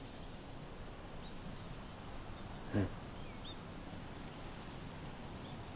うん。